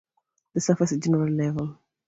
The Surface is generally level.